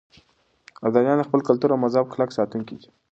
ابدالیان د خپل کلتور او مذهب کلک ساتونکي دي.